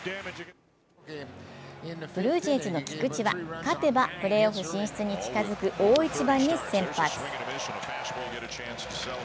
ブルージェイズの菊池は、勝てばプレーオフ進出に近づく大一番に先発。